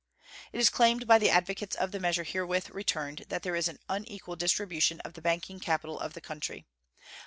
It is claimed by the advocates of the measure herewith returned that there is an unequal distribution of the banking capital of the country.